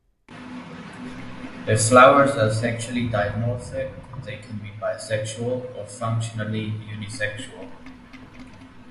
The flowers are sexually dimorphic; they can be bisexual or functionally unisexual.